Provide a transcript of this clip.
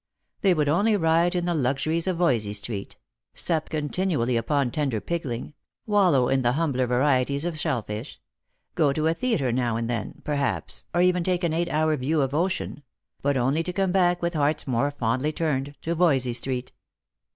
They would only riot in the luxuries of Voysey street; sup continually upon tender pigling ; wallow in the humbler varieties of shellfish ; go to a theatre now and then, perhaps, or even take an eight hour view of ocean ; but only to come back with hearts more fondly turned to Voysey street.